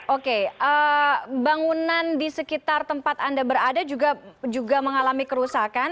oke bangunan di sekitar tempat anda berada juga mengalami kerusakan